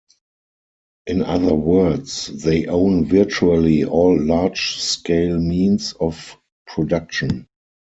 In other words, they own virtually all large-scale means of production.